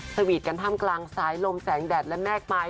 สวีทกันท่ามกลางสายลมแสงแดดและแม่กไม้